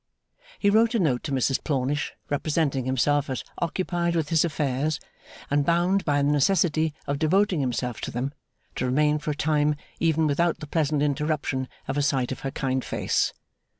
He wrote a note to Mrs Plornish representing himself as occupied with his affairs, and bound by the necessity of devoting himself to them, to remain for a time even without the pleasant interruption of a sight of her kind face.